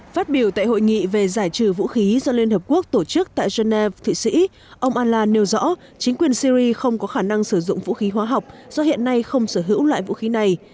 phát biểu tại hội nghị về giải trừ vũ khí do liên hợp quốc tổ chức tại geneva thụy sĩ ông anla nêu rõ chính quyền syri không có khả năng sử dụng vũ khí hóa học do hiện nay không sở hữu loại vũ khí này